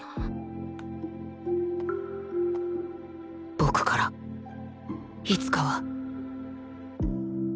僕からいつかは